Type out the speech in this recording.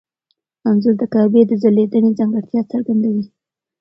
انځور د کعبې د ځلېدنې ځانګړتیا څرګندوي.